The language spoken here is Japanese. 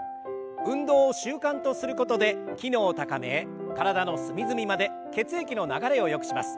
運動を習慣とすることで機能を高め体の隅々まで血液の流れをよくします。